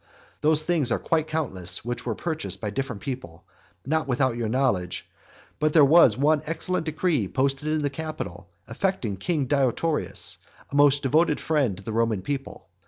Those things are quite countless which were purchased of different people, not without your knowledge; but there was one excellent decree posted up in the Capitol affecting king Deiotarus, a most devoted friend to the Roman people.